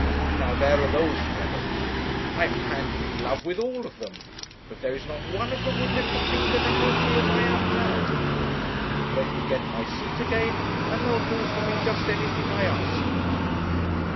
Now, there are those fellows; I am hand and glove with all of them; but there is not one of them would lift a finger to help me as I am now; but let me get my seat again, and they'll do for me just anything I ask them.